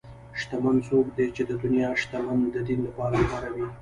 شتمن څوک دی چې د دنیا شتمني د دین لپاره کاروي.